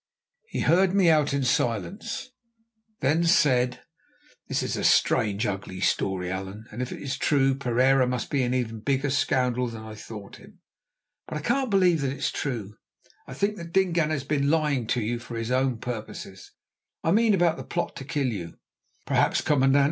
He heard me out in silence, then said: "This is a strange and ugly story, Allan, and if it is true, Pereira must be an even bigger scoundrel than I thought him. But I can't believe that it is true. I think that Dingaan has been lying to you for his own purposes; I mean about the plot to kill you." "Perhaps, commandant.